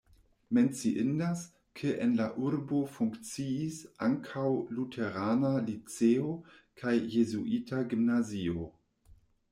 Menciindas, ke en la urbo funkciis ankaŭ luterana liceo kaj jezuita gimnazio.